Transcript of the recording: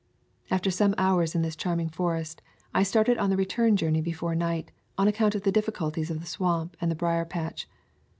After some hours in this charming forest I started on the return journey before night, on account of the difficulties of the swamp and the brier patch.